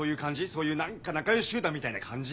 そういう何か仲良し集団みたいな感じ？